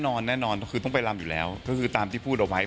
แน่นอนคือต้องไปลำอยู่แล้วก็คือตามที่พูดเอาไว้